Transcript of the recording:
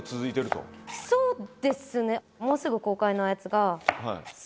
そうですねもうすぐ公開のやつが。